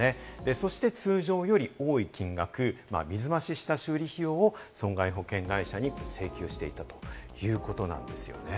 そして通常より多い金額、水増しした修理費用を損害保険会社に請求していたということなんですよね。